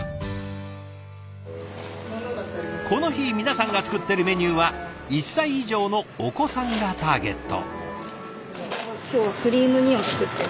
この日皆さんが作っているメニューは１歳以上のお子さんがターゲット。